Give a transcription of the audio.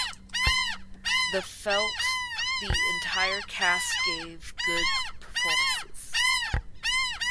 The felt the entire cast gave good performances.